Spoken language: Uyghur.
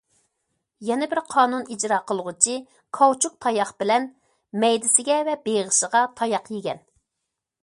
يەنە بىر قانۇن ئىجرا قىلغۇچى كاۋچۇك تاياق بىلەن مەيدىسىگە ۋە بېغىشىغا تاياق يېگەن.